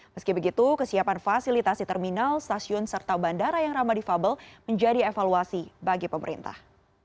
meski begitu kesiapan fasilitasi terminal stasiun serta bandara yang ramah difabel menjadi evaluasi bagi pemerintah